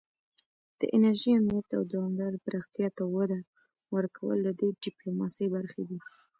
د انرژۍ امنیت او دوامداره پراختیا ته وده ورکول د دې ډیپلوماسي برخې دي